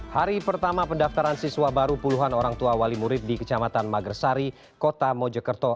hari pertama pendaftaran siswa baru puluhan orang tua wali murid di kecamatan magersari kota mojokerto